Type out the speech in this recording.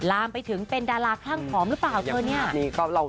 ลามไปถึงเป็นดาราคลั่งผอมหรือเปล่า